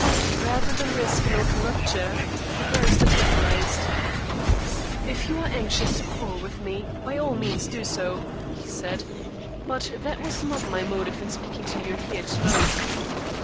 Rather than risk an open rupture, the barrister temporized. "If you are anxious to quarrel with me, by all means do so," he said; "but that was not my motive in speaking to you here to night."